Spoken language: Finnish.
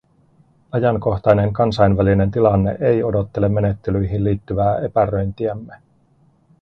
Ajankohtainen kansainvälinen tilanne ei odottele menettelyihin liittyvää epäröintiämme.